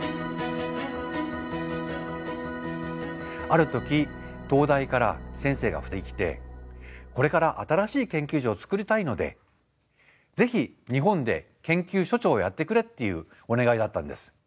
ある時東大から先生が２人来てこれから新しい研究所を作りたいのでぜひ日本で研究所長をやってくれっていうお願いがあったんです。